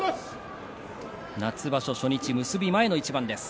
夏場所初日、結び前の一番です。